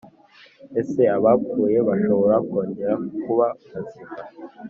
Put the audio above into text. Ese abapfuye bashobora kongera kuba bazima?